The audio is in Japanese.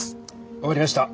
分かりました。